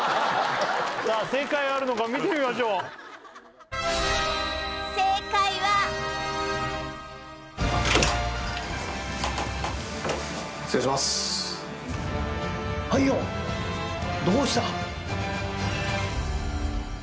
さあ正解あるのか見てみましょう正解は失礼しますはいよどうした？